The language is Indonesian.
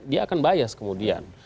dia akan bias kemudian